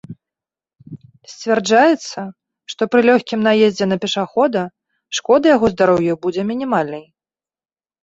Сцвярджаецца, што пры лёгкім наездзе на пешахода шкода яго здароўю будзе мінімальнай.